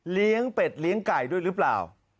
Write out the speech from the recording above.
เป็ดเลี้ยงไก่ด้วยหรือเปล่า